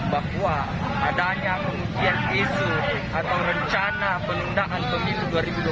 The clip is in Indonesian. bahwa adanya pengujian isu atau rencana penundaan pemilu dua ribu dua puluh